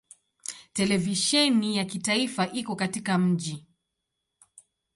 Televisheni ya kitaifa iko katika mji.